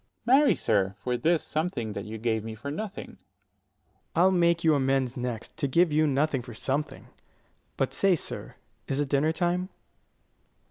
50 Dro. S. Marry, sir, for this something that you gave me for nothing. Ant. S. I'll make you amends next, to give you nothing for something. But say, sir, is it dinner time?